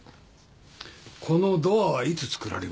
このドアはいつ作られましたか？